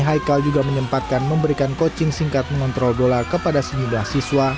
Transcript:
haikal juga menyempatkan memberikan coaching singkat mengontrol bola kepada sejumlah siswa